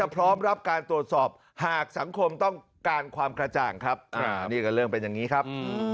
ผมต้องการความกระจ่างครับเรื่องเป็นอย่างนี้ครับ